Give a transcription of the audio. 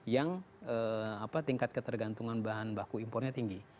yang tingkat ketergantungan bahan baku impornya tinggi